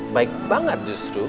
baik banget justru